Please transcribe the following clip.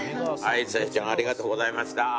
沙雪ちゃんありがとうございました。